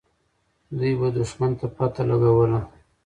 دوی به دښمن ته پته لګوله.